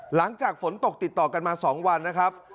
หลังจากฝนตกติดต่อกันมา๒วันนะครับ